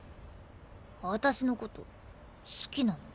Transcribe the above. あたしのこと好きなの？